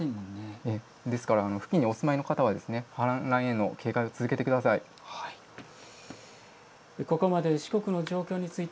ですから、付近にお住まいの方は警戒を続けてください。